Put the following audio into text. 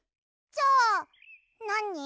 じゃあなに？